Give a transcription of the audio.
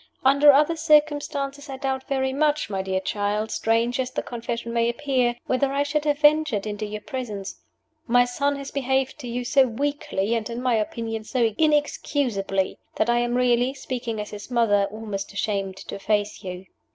Under other circumstances I doubt very much, my dear child strange as the confession may appear whether I should have ventured into your presence. My son has behaved to you so weakly, and (in my opinion) so inexcusably, that I am really, speaking as his mother, almost ashamed to face you."